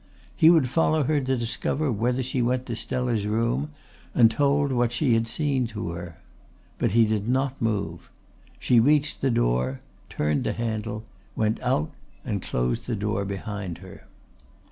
He would follow her to discover whether she went to Stella's room and told what she had seen to her. But he did not move. She reached the door, turned the handle, went out and closed the door behind her.